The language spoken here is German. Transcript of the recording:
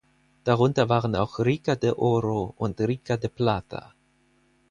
Darunter waren auch Rica de Oro und Rica de Plata.